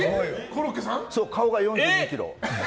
そう、顔が４２ｋｇ。